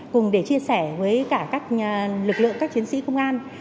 cùng để chia sẻ với cả các lực lượng các chiến sĩ công an